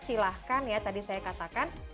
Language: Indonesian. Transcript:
silahkan ya tadi saya katakan